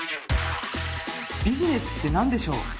ビジネスって何でしょう？